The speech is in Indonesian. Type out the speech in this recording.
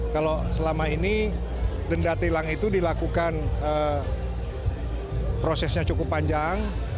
kalau selama ini denda tilang itu dilakukan prosesnya cukup panjang